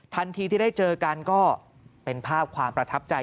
ทันทีที่ได้เจอกันก็เป็นภาพความประทับใจ